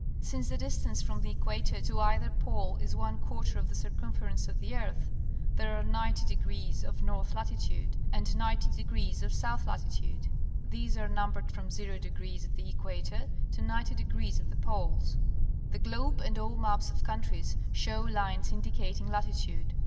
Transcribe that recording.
Since the distance from the equator to either pole is one quarter of the circumference of the earth, there are 90° of north latitude and 90° of south latitude. These are numbered from 0° at the equator to 90° at the poles. The globe and all maps of countries show lines indicating latitude.